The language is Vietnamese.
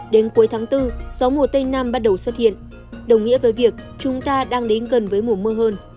đến cuối tháng bốn gió mùa tây nam bắt đầu xuất hiện đồng nghĩa với việc chúng ta đang đến gần với mùa mưa hơn